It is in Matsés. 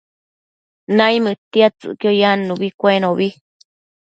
naimëdtiadtsëcquio yannubi cuenobi